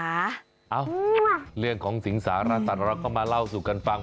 เอ้าเรื่องของสิงสารสัตว์เราก็มาเล่าสู่กันฟัง